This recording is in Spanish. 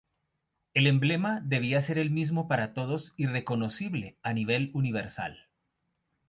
El emblema debía ser el mismo para todos y reconocible a nivel universal.